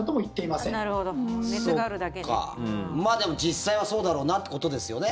でも実際はそうだろうなということですよね。